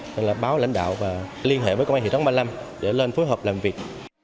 nên là báo lãnh đạo và liên hệ với công an thị trấn ba mươi năm để lên phối hợp làm việc